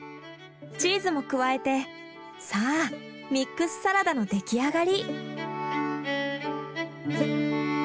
チーズも加えてさあミックスサラダの出来上がり。